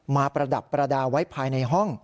ประดับประดาษไว้ภายในห้อง